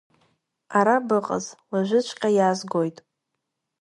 Ара быҟаз, уажәыҵәҟьа иаазгоит.